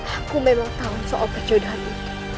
aku memang tahu soal percobaanmu